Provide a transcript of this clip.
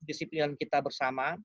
disiplin kita bersama